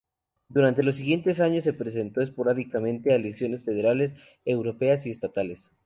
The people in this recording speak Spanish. Durante los siguientes años se presentó esporádicamente a elecciones federales, europeas y estatales.